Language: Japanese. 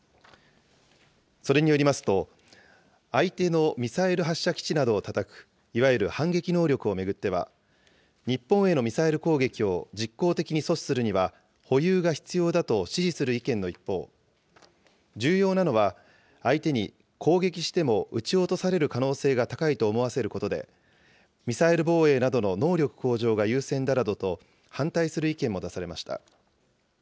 それによりますと、相手のミサイル発射基地などをたたく、いわゆる反撃能力を巡っては、日本へのミサイル攻撃を実効的に阻止するには保有が必要だと支持する意見の一方、重要なのは相手に攻撃しても撃ち落とされる可能性が高いと思わせることで、ミサイル防衛などの能力向上が優先だなどと、反対する意見も出されました。